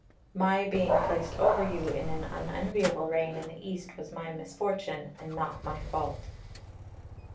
My being placed over you in an unenviable reign in the East was my misfortune and not my fault."